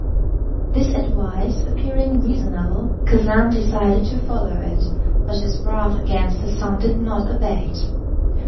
This advice appearing reasonable, Khacan decided to follow it, but his wrath against his son did not abate.